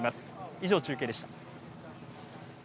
以上、中継でした。